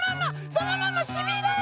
そのまましびれる！